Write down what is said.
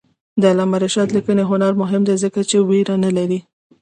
د علامه رشاد لیکنی هنر مهم دی ځکه چې ویره نه لري.